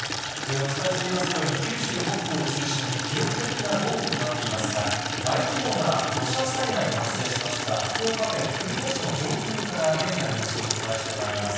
お伝えしていますように、九州北部を中心に、記録的な豪雨となっていますが、大規模な土砂災害が発生しました福岡県久留米市の上空から、現在の様子をお伝えしてまいります。